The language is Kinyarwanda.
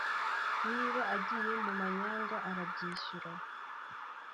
niba agiye mu manyanga arabyishyura